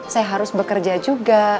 saya harus bekerja juga